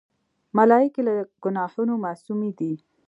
ملایکې له ګناهونو معصومی دي.